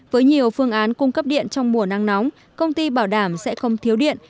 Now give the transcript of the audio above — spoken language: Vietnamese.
với nhiều phương án cung cấp điện trong mùa nắng nóng công ty bảo đảm sẽ không thiếu điện